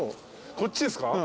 こっちですか？